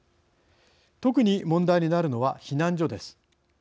特に問題になるのは避難所です。